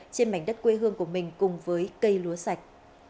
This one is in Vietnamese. trên mảnh đất quê hương của mình cùng với cây lúa sạch